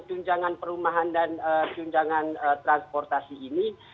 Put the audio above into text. tunjangan perumahan dan tunjangan transportasi ini